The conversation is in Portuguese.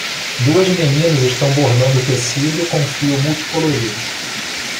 Duas meninas estão bordando tecido com fio multicolorido.